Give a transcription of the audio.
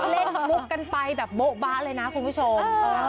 เล่นกันไปแบบเบาะบ้าเลยนะคุณผู้ชม